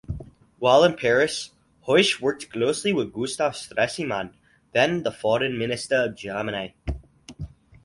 While in Paris, Hoesch worked closely with Gustav Stresemann, then foreign minister of Germany.